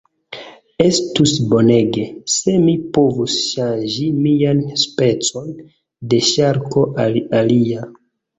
Estus bonege, se mi povus ŝanĝi mian specon de ŝarko al alia.